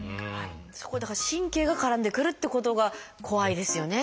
そこにだから神経が絡んでくるっていうことが怖いですよね。